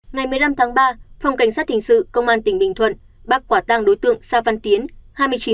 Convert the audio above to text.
ngày một mươi năm tháng ba phòng cảnh sát thình sự công an tỉnh bình thuận bác quả tăng đối tượng sa văn tiến hai mươi chín tuổi